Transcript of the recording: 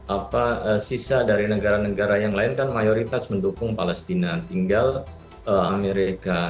apa sisa dari negara negara yang lain kan mayoritas mendukung palestina tinggal amerika